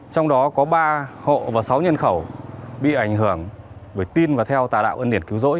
trong đó có ba hộ và sáu nhân khẩu bị ảnh hưởng bởi tin và theo tà đạo ân điển cứu rỗi